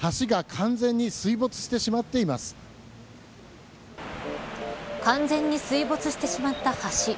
完全に水没してしまった橋。